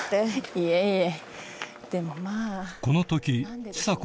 いえいえ。